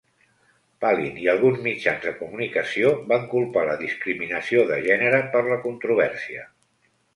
Palin i alguns mitjans de comunicació van culpar la discriminació de gènere per la controvèrsia.